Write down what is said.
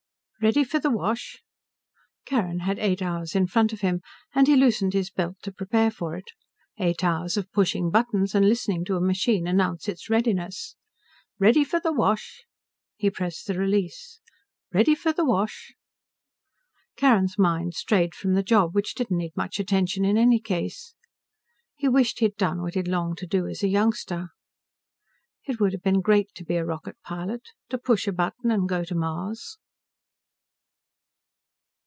"Ready for the wash." Carrin had eight hours in front of him, and he loosened his belt to prepare for it. Eight hours of pushing buttons and listening to a machine announce its readiness. "Ready for the wash." He pressed the release. "Ready for the wash." Carrin's mind strayed from the job, which didn't need much attention in any case. He wished he had done what he had longed to do as a youngster. It would have been great to be a rocket pilot, to push a button and go to Mars.